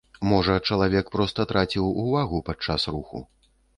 Можа, чалавек проста траціў увагу падчас руху.